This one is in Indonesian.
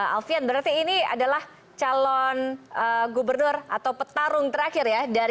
alfian berarti ini adalah calon gubernur atau petarung terakhir ya